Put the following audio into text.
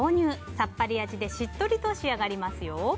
さっぱり味でしっとりと仕上がりますよ。